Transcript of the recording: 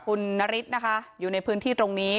คุณนฤทธิ์นะคะอยู่ในพื้นที่ตรงนี้